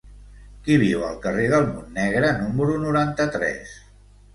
Qui viu al carrer del Montnegre número noranta-tres?